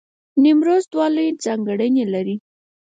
نیمروز دوه لوی ځانګړنې لرلې.